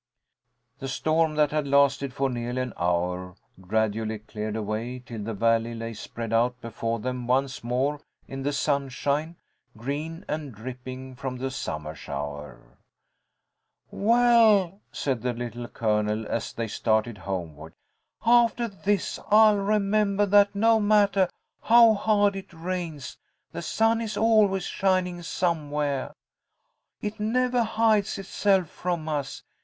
The storm, that had lasted for nearly an hour, gradually cleared away till the valley lay spread out before them once more, in the sunshine, green and dripping from the summer shower. "Well," said the Little Colonel, as they started homeward, "aftah this I'll remembah that no mattah how hard it rains the sun is always shining somewhere. It nevah hides itself from us.